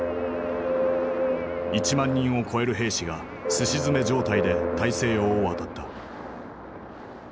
１万人を超える兵士がすし詰め状態で大西洋を渡った。